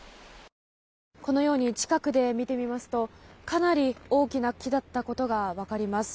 このように近くで見てみますとかなり大きな木だったことが分かります。